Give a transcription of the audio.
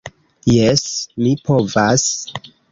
Jes, mi povas.